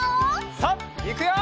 さあいくよ！